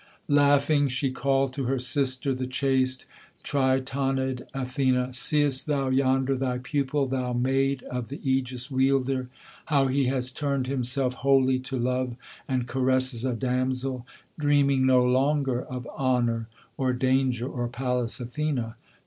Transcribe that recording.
Laughing she called to her sister, the chaste Tritonid Athene, 'Seest thou yonder thy pupil, thou maid of the AEgis wielder? How he has turned himself wholly to love, and caresses a damsel, Dreaming no longer of honour, or danger, or Pallas Athene?